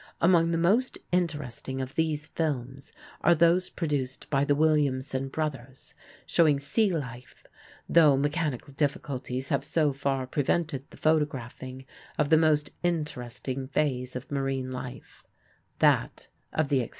Among the most interesting of these films are those produced by the Williamson brothers, showing sea life, though mechanical difficulties have so far prevented the photographing of the most interesting phase of marine life, that of the extreme depths.